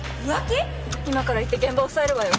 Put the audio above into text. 今から行って現場押さえるわよ。